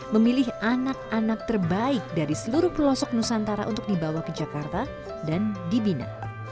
memilih anak anak terbaik dari seluruh pelosok nusantara untuk dibawa ke jakarta dan dibina